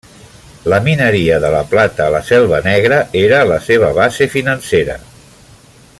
La mineria de la plata a la Selva Negra era la seva base financera.